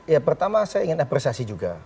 ya pertama saya ingin apresiasi juga